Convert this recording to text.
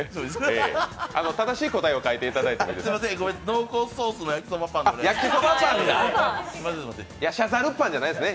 正しい答えを書いていただいていいですか？